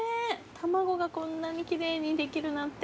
卵がこんなに奇麗にできるなんて。